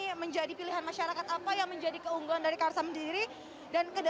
m vogel dahulu ini untuk semangat menunggu siang dan saya ber pencipta